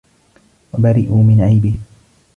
وَبَرِئُوا مِنْ عَيْبِهِ